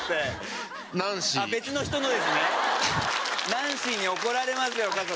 ナンシーに怒られますよ春日さん。